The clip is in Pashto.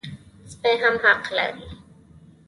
سپي هم حق لري.